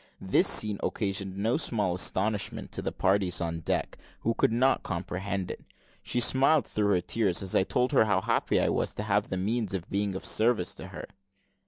This scene occasioned no small astonishment to the parties on deck, who could not comprehend it. She smiled through her tears, as I told her how happy I was to have the means of being of service to her.